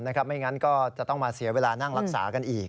ไม่งั้นก็จะต้องมาเสียเวลานั่งรักษากันอีก